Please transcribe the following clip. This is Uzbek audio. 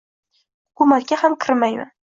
hukumatga ham kirmayman.